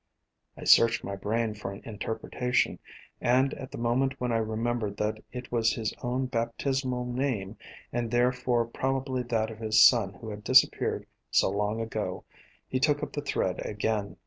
I searched my brain for an interpretation, and at the mo ment when I remembered that it was his own baptismal name and therefore probably that of his son who had dis appeared so long ago, he took up the thread again.